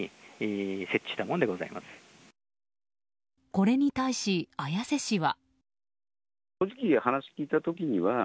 これに対し、綾瀬市は。